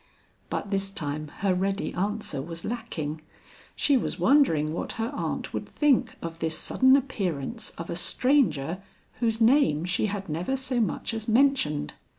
But this time her ready answer was lacking. She was wondering what her aunt would think of this sudden appearance of a stranger whose name she had never so much as mentioned.